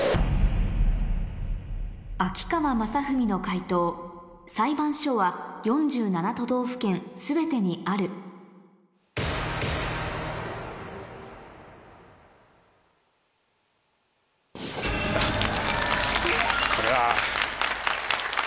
秋川雅史の解答裁判所は４７都道府県全てにあるあっこれは。